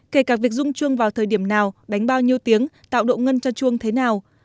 kể cả việc dung chuông vào thời điểm nào đánh bao nhiêu tiếng tạo độ ngân cho chuông thế nào